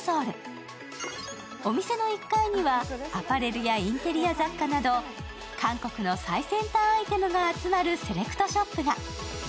お店の１階にはアパレルやインテリア雑貨など韓国の最先端アイテムが集まるセレクトショップが。